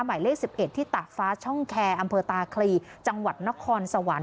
หมายเลข๑๑ที่ตากฟ้าช่องแคร์อำเภอตาคลีจังหวัดนครสวรรค์